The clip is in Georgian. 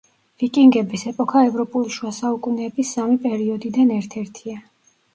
ვიკინგების ეპოქა ევროპული შუა საუკუნეების სამი პერიოდიდან ერთ-ერთია.